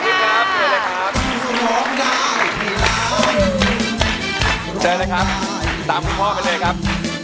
เจอเลยครับตามพี่พ่อไปเลยครับ